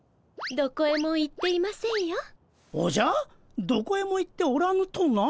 おじゃどこへも行っておらぬとな？